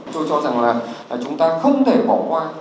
tôi cho rằng là chúng ta không thể bỏ qua